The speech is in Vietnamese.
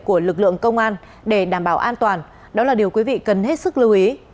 của lực lượng công an để đảm bảo an toàn đó là điều quý vị cần hết sức lưu ý